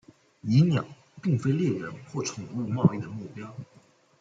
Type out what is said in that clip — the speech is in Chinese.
蚁鸟并非猎人或宠物贸易的目标。